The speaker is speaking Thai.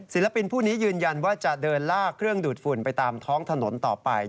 ผู้นี้ยืนยันว่าจะเดินลากเครื่องดูดฝุ่นไปตามท้องถนนต่อไป